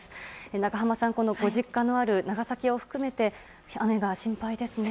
長濱さんご実家のある長崎を含めて雨が心配ですね。